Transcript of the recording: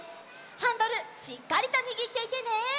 ハンドルしっかりとにぎっていてね。